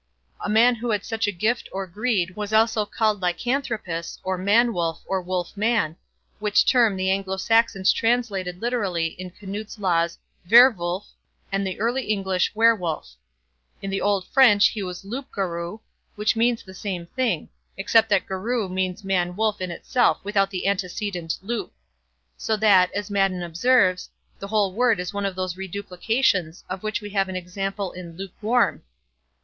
A man who had such a gift or greed was also called lycanthropus, a man wolf or wolf man, which term the Anglo Saxons translated literally in Canute's Laws verevulf, and the early English werewolf. In old French he was loupgarou, which means the same thing; except that garou means man wolf in itself without the antecedent loup, so that, as Madden observes, the whole word is one of those reduplications of which we have an example in lukewarm.